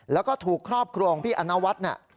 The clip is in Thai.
แล้วก็ถูกครอบครัวของพี่อันวัสนะ